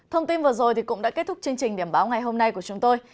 thông tin vừa rồi cũng đã kết thúc chương trình điểm báo ngày hôm nay của chúng tôi